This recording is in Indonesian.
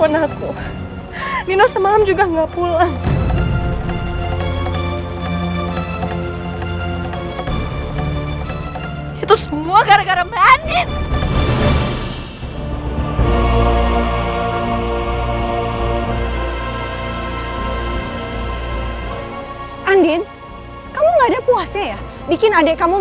nino gak mau akan telepon aku